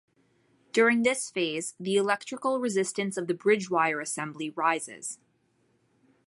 During this phase the electrical resistance of the bridgewire assembly rises.